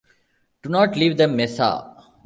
Do not leave the mesa.